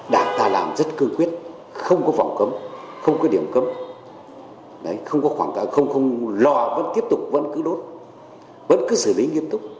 đảng ta làm rất cương quyết không có phòng cấm không có điểm cấm không có khoảng tạo không lò vẫn tiếp tục vẫn cứ đốt vẫn cứ xử lý nghiêm túc